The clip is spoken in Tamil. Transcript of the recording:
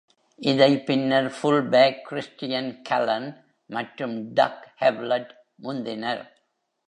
இதை பின்னர் ஃபுல் பேக் கிறிஸ்டியன் கல்லன் மற்றும் டக் ஹவ்லெட் முந்தினர்.